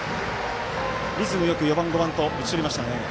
リズムよく４番、５番と打ち取りましたね。